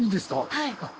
はい。